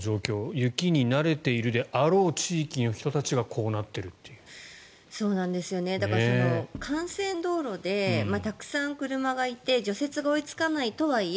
雪に慣れているであろう地域の人たちがだから、幹線道路でたくさん車がいて除雪が追いつかないとはいえ